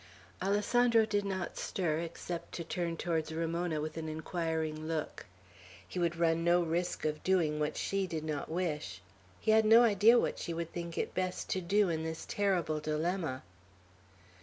Alessandro did not stir, except to turn towards Ramona with an inquiring look. He would run no risk of doing what she did not wish. He had no idea what she would think it best to do in this terrible dilemma.